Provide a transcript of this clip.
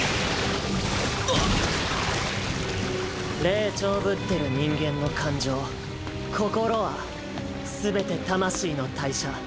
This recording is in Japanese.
霊長ぶってる人間の感情心は全て魂の代謝。